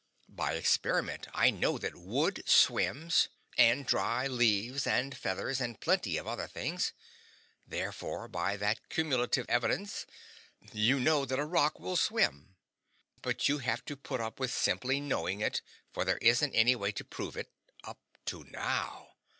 By experiment I know that wood swims, and dry leaves, and feathers, and plenty of other things; therefore by all that cumulative evidence you know that a rock will swim; but you have to put up with simply knowing it, for there isn't any way to prove it up to now.